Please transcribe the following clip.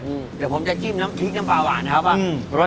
เดี๋ยวผมจะจิ้มน้ำพริกน้ำปลาหวานครับ